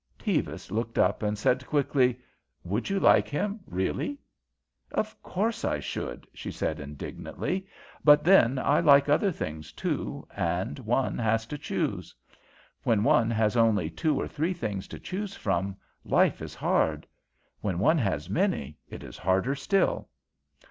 Tevis looked up and said quickly: "Would you like him, really?" "Of course I should," she said indignantly. "But, then, I like other things, too; and one has to choose. When one has only two or three things to choose from, life is hard; when one has many, it is harder still.